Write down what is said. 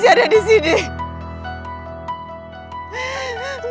sumpah gue makin gak paham